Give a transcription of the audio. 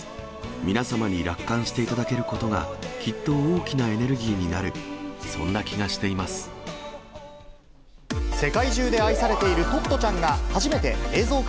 皆様に楽観していただけることが、きっと大きなエネルギーになる、世界中で愛されているトット